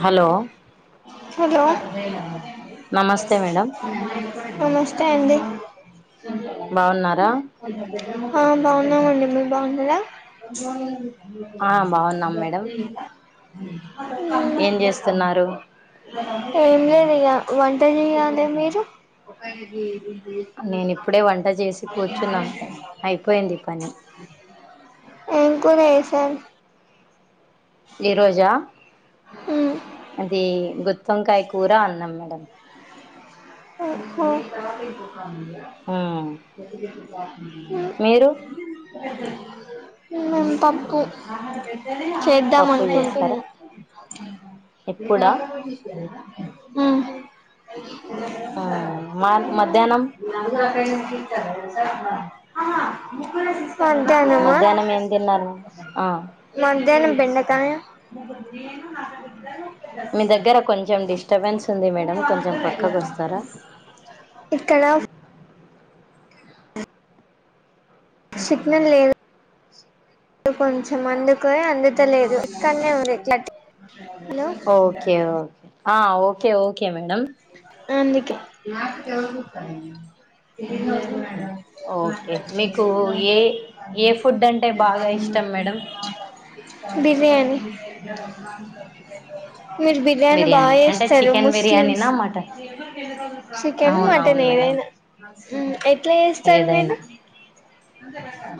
Hello hello నమస్తే madam నమస్తే అండి బావున్నారా ఆ బాగున్నాం అండి మీరు బాగున్నారా ఆ బాగున్నాం మేడం ఏం చేస్తున్నారు ఏం లేదు యిగా వంట చేయలే మీరు నేను ఇప్పుడే వంట చేసి కూర్చున్నా మేడం అయిపోయింది పని ఎం కూర చేసారు ఈ రోజా ఆ అది గుత్తి వంకాయ కూర అన్నాము మ్మ్ ఓహా మీరు మేం పప్పు చేద్దాం పప్పు అనుకుంటున్నా చేస్తారా ఇప్పుడా ఉమ్ ఆ మా మధ్యాహ్నం [unintelligible] మధ్యాహ్నమా మధ్యాహ్నం ఏం తిన్నారు ఆ మ నేను బెండకాయ మీ దగ్గర కొంచెం డిస్టర్బెన్స్ ఉంది మేడం కొంచెం పక్కకు వస్తారా ఇక్కడ సిగ్నల్ లేదు కొంచెం అందుకే అందుత లేదు కానీరుట్లా ఓకే ఓకే ఆ ఓకే ఓకే మేడం అందుకే ఓకే మీకు ఏ ఏ ఫుడ్ అంటే బాగా ఇష్టం మేడం బిర్యానీ మీరు బిర్యానీ బాగా అంటే చేస్తారు చికెన్ ముస్లిమ్స్ బిర్యానీనా మటన్ చికెన్ మటన్ అవునవును మేడం ఏదైనా ఉమ్ ఎట్లా చేస్తారు మీరు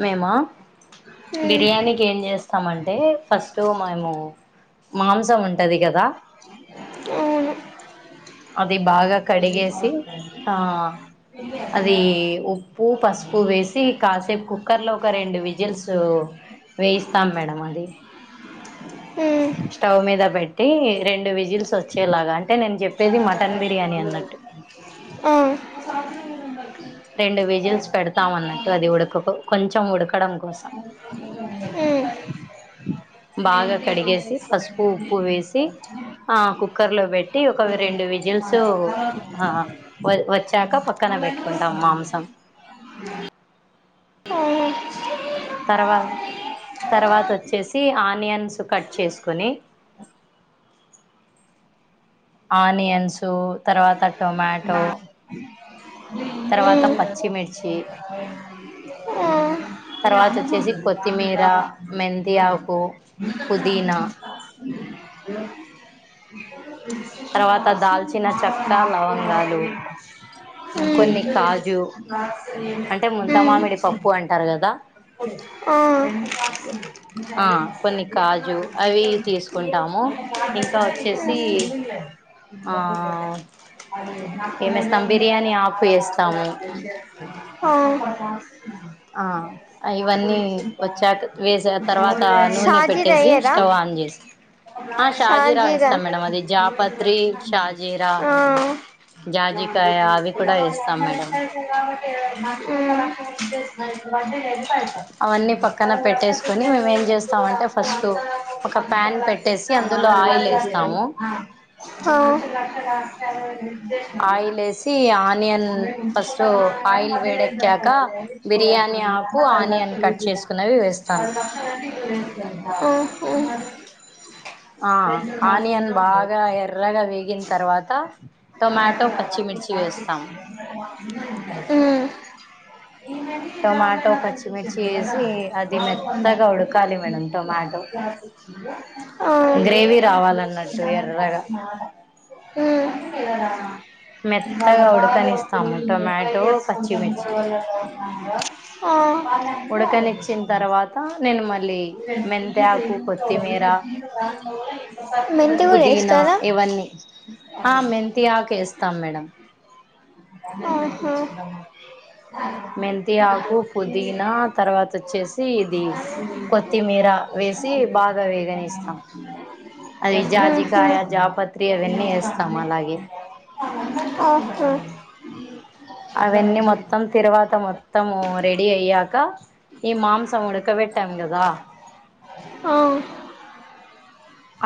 మేమ బిర్యానీకి ఏం చేస్తాం స్తాం అంటే ఫస్ట్ మేము మాంసం ఉంటది కదా అవును అది బాగా కడిగేసి ఆ అది ఉప్పు పసుపు వేసి కాసేపు కుక్కర్ లో ఒక రెండు విజిల్స్ వేయిస్తాం మేడం అది స్టవ్ మీద పెట్ ట్టి రెండు విజిల్స్ వచ్చేలాగా అంటే నేను చెప్పేది మటన్ బిర్యానీ అన్నట్టు ఆ రెండు విజిల్స్ పెడతాము అన్నట్టు అది ఉడక కొంచెం ఉడకడం కోసం ఉమ్ బాగ కడిగేసి పసుపు ఉప్పు వేసి ఆకు కుక్కర్ లో పెట్టి ఒక రెండు విజిల్స్ ఆవచ్చాక పక్కన పెట్టు కుంటాం మాంసం తర్వా తర్వాత వచ్చేసి ఆనియన్స్ కట్ చేసుకొని ఆనియన్సు తర్వాత టొమాటో తర్వాత పచ్చిమిర్చి ఆ తర్వాత వచ్చేసి కొత్తిమీర మెంతిఆకు పుదీనా తర్వాత దాల్చిన చెక్క లవంగాలు నాకు కొన్ని కాజు అంటే అ ముంత మామిడి పప్పు అంటారు కదా ఉమ్ ఆ కొన్ని ఊ కాజు అవి తీసుకుంటాము ఆ ఇంకా వచ్చేసి ఉ ఆ ఏమేస్తాం బిర్యానీ ఆకు వేస్తాము ఆ ఆ ఇవన్నీ వచ్చాక వేసే తర్వాత నూనె ఛార్జి పెట్టేసి అయ్యేది స్టవ్ ఆన్ చేసి ఆ షాజీరా సాజిద వేస్తాం మేడం అది జాపత్రి షాజీరా అ జాజికాయ అవి కూడా వేస్తాం మేడం అవన్నీ పక్కన మ్ పెట్టేసుకొని మేము ఏం చేస్తామంటే ఫస్ట్ ఒక ప్యాన్ పెట్టేసి స అందులో ఆయిల్ వేస్తాము ఆ ఉేశం ఆయిల్ వేసి ఆనియన్ అే ఫస్ట్ మున్ ఆయిల్ మధ్య వేడెక్కాక దాుకోాల బిర్యానీ ఆకు అ ఆనియన్ కట్ లక్ష్యంజ చేసుకున్నవి వేస్తాను పక్ష ఉహు ఆ ఆనియన్ బాగ ఎర్రగా వేగిన్ తర్వాత తర్వాత టొమాటో పచ్చిమిర్చి వేస్తాము జ టొమాటో పచ్చిమిర్చి వేసి అది మెత్తగా ఉడకాలి మేడం టొమాటో గ్రేవీ రావాలన్నట్టు ఎర్రగా ఆ ఉమ్ ఇది మెత్తగా బాగా ఇప్పుడు ఉడకనిస్తాము ఇదిఫైవ్ టొమాటో ఇయర్స్ కొంచెం పచ్చిమిర్చి ఇవల ఆ ఉడకనిచ్చిన తర్వాత నేను మళ్ళీ తీ తీ మెంతాకు కొత్తిమీర మెంతి కూడ పుదీనా వేస్తర ఇవన్నీ ఆ మెంతి ఆకు ఏస్తాం మేడం ఆహ మెంతి ఆకు పుదీనా తర్వాత వచ్చేసి ఇది కొత్తిమీర వేసి బాగ వేగనిస్తాం అది జాజికాయ జాపత్తి అవి ఆహ అవన్నీ మొత్తం తిరవాత మొత్తం రెడీ అయ్యాక ఈ మాంసం ఉడక బెట్టాంగదా ఆ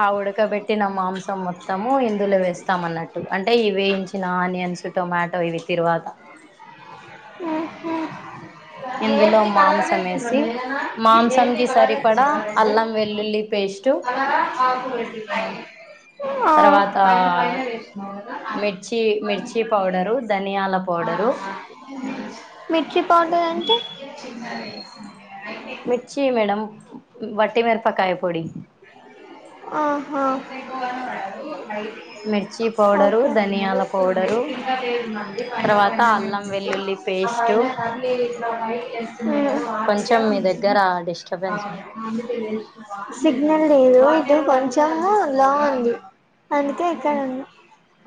ఆ ఉడక బేట్టిన మాంసం మొత్తం ముఇందులొవేస్తాం అన్నట్టు అంటే ఇవి వెయిం చిన ఆనియన్స్ టమోటో ఇవి తిరువాత ఆహా ఇందులో మాంసం వేసి మాంసం కి సరిపడా అల్లం వెల్లుల్లి పె అదార అకులు వొట్టి పోయి తర్వాత పయిన పయిన చేసినవు కదా మిర్చి మిర్చి పౌడరు ధనియాల పౌడరు మిర్చి పౌడర్ అంటే మిర్చి మేడం వట్టి మేరపకాయ ఆహా మిర్చి పౌడరు ఓకే ధనియాల హ్మ్మ్ పౌడరు తర్వాత అల్లం వెల్లుల్లి పేస్టు కొంచెం మీ దగ్గర డిస్టర్బెన్స్ ఉంది సిగ్నల్ లేదు ఇటు కొంచెము లో ఉంది అందుకే ఇక్కడ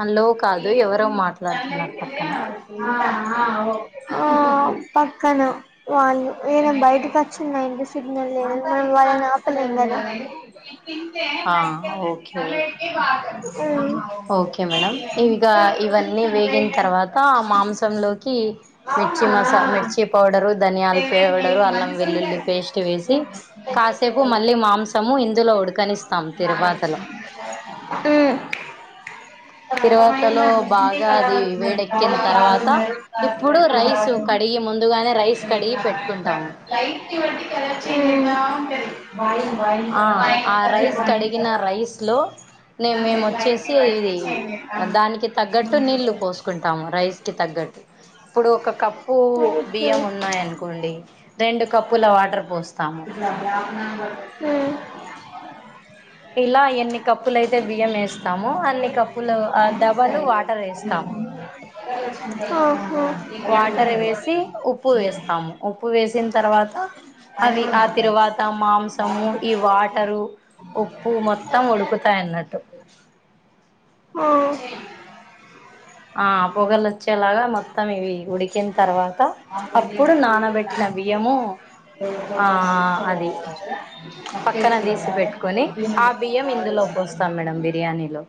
హలో కాదు ఎవరో మాట్లాడుతున్నారు పక్కన ఉన్నా ఆ ఆ పక్కన వాళ్ళు నేను బయటకి వచ్చిన్నా ఇంటి సిగనల్ వాళ్ళని ఆపలేము కదా ఆ ఓకే ఓకే ఓకే మేడం హ్మ్మ్ ఇవిగ ఇవన్నీ వేగిన తర్వాత మాంసంలోకి మిర్చి మస మిర్చి పౌడరు ధనియాలు సెవెన్ పవడరు ఎయిట్ అల్లం మంత్స్ వెల్లుల్లి ఉంటది పేస్ట్ వేసి కాసేపు మల్లి మాంసము ఇందులో ఉడకనిస్తాం తిరువాతలో హ్మ్మ్ తిరువాతలో బాగా అది వేడెక్కిన తర్వాత ఇప్పుడు రైస్ కడిగి గి ముందుగా హ్మ్మ్ ఆ రైస్ కడిగిన రైస్లో న మేము లైట్ వచ్చేసి ని బట్టి ఇది చేంజ్ అయితా దానికి తగ్గట్టు నీళ్లుు పోసుకుంటాము రైస్ కి తగ్గట్టు ఇప్పుడు ఒక కప్పు బి ఉంటది బియ్యము ఉన్నాయనుకోండి రెండు కప్పుల వాటర్ పోస్తాము హ్మ్మ్ ఇలా ఎన్ని కప్పులుయితే బియ్యం వేస్తాము అన్ని కప్పులు డాబలు వాటర్ వేస్తాము ఆ ఆ వాటర్ వేసి ఉప్పు వేస్తాము ఉప్పు వేసిన తర్వాత అవి ఆ తిరువాత మాంసము ఈ వాటరు ఉప్పు మొత్తం ఉడుకుతాయన్నట్టు ఆ ఆ పొగలు వచ్చేలాగా మొత్తం ఇవి ఉడికి ఎకిన తర్వాత అప్పుడు నానబెట్టిన బియ్యము ఆ అది పక్కన తీసి పెట్టుకొని ఆ బియ్యం ఇందులో లో పోస్తాం మేడమ్ బిర్యానీలో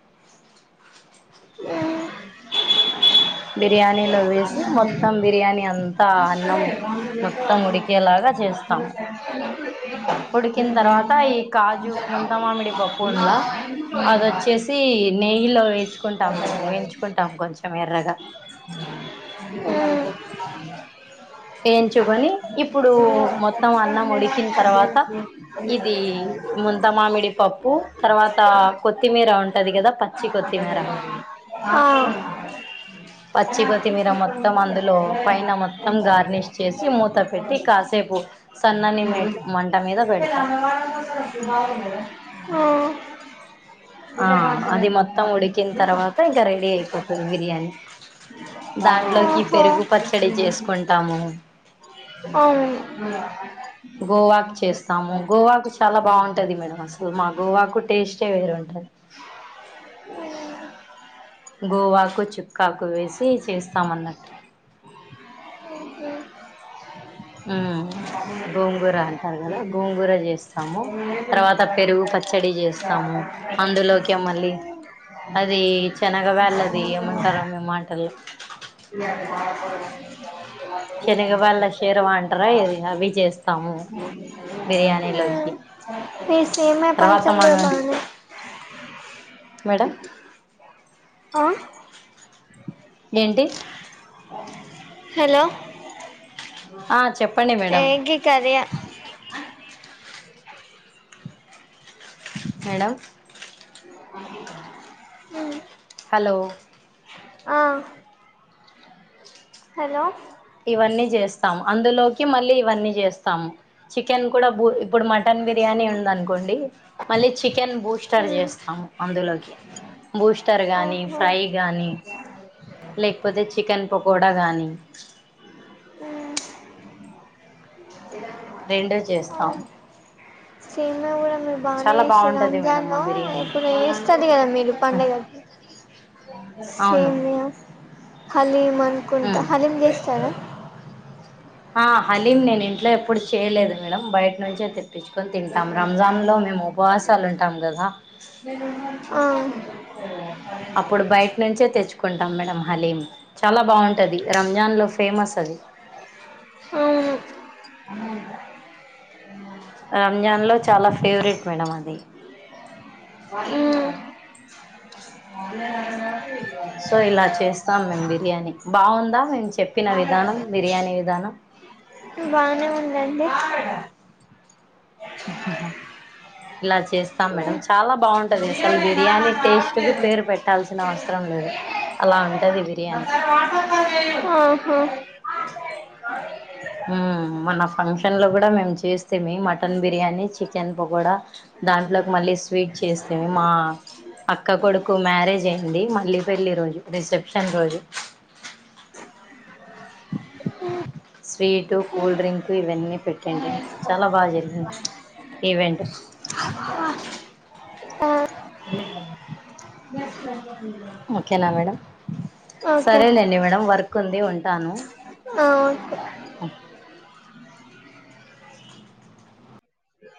బిర్యానీలో వేసి మొత్తం బిర్యానీ అంతా అన్నం మొత్తం ఉడికేలాగా చేస్తాము ఉడికిన తర్వాత ఈ కాజు ముంతమామిడి పప్పు ఉండ్ల అదొచ్చేసి నెయ్యిలో వేంచుకుంటాం మేము వేయించుకుంటాం కొంచెం ఎర్రగా హ్మ్మ్ ఏంచుకొని ఇప్పుడు మొత్తం అన్నం ఉడికిన్ తర్వాత ఇది ముంతమామిడి పప్పు తర్వాత కొత్తిమీర ఉంటది గదా పచ్చి కొత్తిమీర ఆ పచ్చిపత్తిమీర మొత్తం అందులో పైన మొత్తం గార్నిష్ చేసి మూత పెట్టి కాసేపు సన్నని మేట మంట మీద పెడతాం అంగన్వాడీకి పోతోంలకి దిమాక్ ఉండద ఆ ఆ అది మొత్తం ఉడికిన్ తర్వాత ఇంకా రెడీ అయిపోతది బిర్యానీ దాంట్లోకి ఓహో పెరుగు పచ్చడి చేసుకుంటాము. అవునవును గోవాకి చేస్తాము గోవాకు చాలా బాగుంటది మేడం అసలు మా గోవాకు టేస్టే వేరుంటది ఉమ్ గోవాకు చుక్కాకు వేసి చేస్తామన్నట్టు ఉమ్ గోంగూర అంటారు గదా గోంగూర జేస్తాము తర్వాత పెరుగు పచ్చడి జేస్తాము. అందులోకే మల్లీ అది చెనగా వేళ్ళది ఏమంటారో మే ఛీ అట్లా బాధ పడకూడదు. ఏమంటారు శనగ వాళ్ళ అంత షేర్వా పెద్ద అంటారా ఏది ఆస్తి అవి ఏం చేస్తాము జేసినారో అంటారు బిర్యానీలోకి ఆ నీ సేమ్య తర్వాత మన పాయసం గూడ బానే మేడం ఆ ఏంటి హలో ఆ చెప్పండి మేడం ఏగీ కదియ మేడం అంకితం హ్మ్ హలో ఆ హలో ఇవన్నీ జేస్తాము అందులోకి మళ్లీ ఇవన్నీ జేస్తాము చిక్ చికెన్ కూడా బు ఇప్పుడు మటన్ బిర్యానీ ఉందనుకోండి మళ్లీ చికెన్ బూస్టర్ జేస్తాము అందులోకి బూస్టర్ గానీ ఓహో ఫ్రై గానీ లేకపోతే చికెన్ పకోడా గానీ ఉమ్ రెండే చేస్తాము సేమియా గూడ మీరు బానే చాలా జేస్తారు బాగుంటది మేడం మా రంజాను బిర్యానీ ఎప్పుడో ఎస్తది గదా మీరు పండగకి అవును సేమియా హలీం అనుకుంటా ఉమ్ హలీం జేస్తారా ఆ హలీం నేను ఇంట్లో ఎప్పుడు చేయలేదు. మేడం బయట నుంచే తెప్పించుకొని తింటాం రంజాన్ లో మేము ఉపవాసాలు ఉంటాం గదా ఎన్ని మంత్స్ అప్పుడు బయట నుంచే తెచ్చుకుంటాం మేడం హలీం చాలా బాగుంటది రంజాన్‌లో ఫేమస్ అది. మ్ అవును ఉమ్ రంజాన్‌లో చాలా ఫేవరెట్ మేడం అది ఉ సో ఇలా చేస్తాం మేము బిర్యానీ బాగుందా మేము చెప్పిన విధానం బిర్యానీ విధానం టు బానే ఉందండి ఆహ ఇలా చేస్తాం మేడం చాలా బాగుంటది అసలు బిర్యానీ టేస్ట్ కు పేరు పెట్టాల్సిన అవసరం లేదు అలా ఉంటది బిర్యానీ ఉహు ఆ మొన్న ఫంక్షన్ లో కూడా మేము చేస్తే మీ మటన్ బిర్యానీ చికెన్ పగోడా దాంట్లోకి మళ్ళీ స్వీట్ చేస్తిమి మా అక్క కొడుకు కు మ్యారేజ్ అయింది మళ్ళీ పెళ్ళిరోజు రిసెప్షన్ రోజు ఉ స్వీటు కూల్ డ్రింకు ఇవన్నీ పెట్టింటిమి చాలా బాగా జరిగింది ఈవెంట్ [inaudible] గ్యాస్ బంద్ చెయ్ ఓకేనా మేడం ఓకే సరేలేండి మేడం వర్క్ ఉంది ఉంటాను ఆ ఓకే ఆ